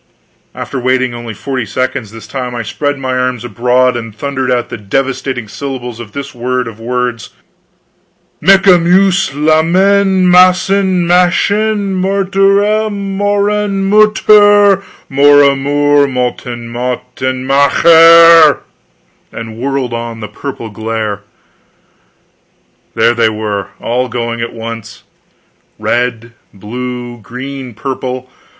After waiting only forty seconds this time, I spread my arms abroad and thundered out the devastating syllables of this word of words: "Mekkamuselmannenmassenmenchenmoerdermohrenmuttermarmormonumentenmacher!" and whirled on the purple glare! There they were, all going at once, red, blue, green, purple!